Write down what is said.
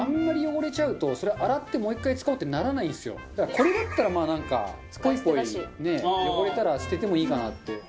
これだったらまあなんかポイポイね汚れたら捨ててもいいかなって。